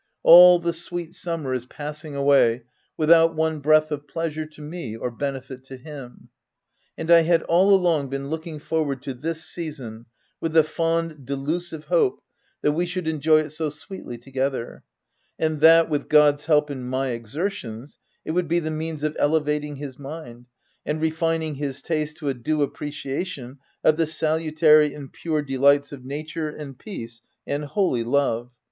All the sweet summer is passing away without one breath of pleasure to me or benefit to him. And I had all along been look ing forward to this season with the fond, delu sive hope that we should enjoy it so sweetly together; and that, with God's help and my exertions, it would be the means of elevating his mind, and refining his taste to a due ap preciation of the salutary and pure delights of nature, and peace, and holy love.